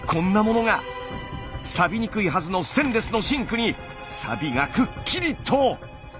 サビにくいはずのステンレスのシンクにサビがくっきりと！